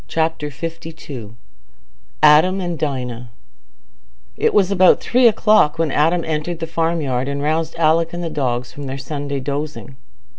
Chapter LII Adam and Dinah It was about three o'clock when Adam entered the farmyard and roused Alick and the dogs from their Sunday dozing.